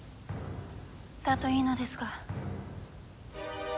だといいのですが。